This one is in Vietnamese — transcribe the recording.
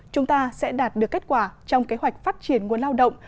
chúng ta sẽ đạt được kết quả trong kế hoạch phát triển nguồn lao động